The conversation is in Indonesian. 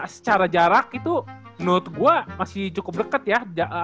secara jarak itu menurut gue masih cukup dekat ya